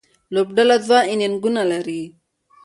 لوبډله دوه انینګونه لري.